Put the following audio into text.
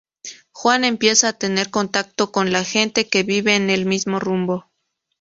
Juan empieza a tener contacto con la gente que vive en el mismo rumbo.